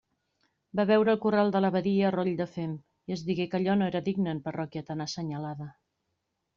Va veure el corral de l'abadia a roll de fem i es digué que allò no era digne en parròquia tan assenyalada.